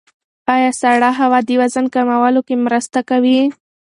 ایا سړه هوا د وزن کمولو کې مرسته کوي؟